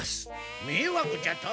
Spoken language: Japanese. めいわくじゃと？